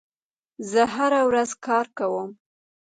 زه هره ورځ کار کوم.